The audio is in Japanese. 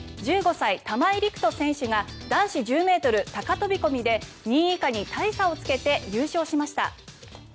１５歳、玉井陸斗選手が男子１０ｍ高飛込で２位以下に大差をつけて優勝しました。